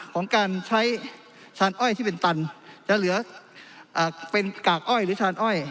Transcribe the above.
ของการใช้ชานอ้อยที่เป็นตันจะเหลือเป็นกากอ้อยหรือชานอ้อย